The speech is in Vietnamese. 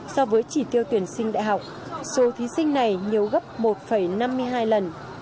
so với chỉ tiêu tuyển sinh đại học số thí sinh này nhiều gấp một năm mươi hai lần